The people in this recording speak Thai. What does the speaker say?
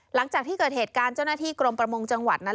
หลังจากที่เกิดเหตุการณ์เจ้าหน้าที่กรมประมงจังหวัดนั้น